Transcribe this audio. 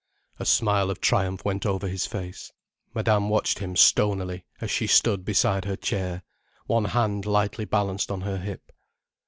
A smile of triumph went over his face. Madame watched him stonily as she stood beside her chair, one hand lightly balanced on her hip.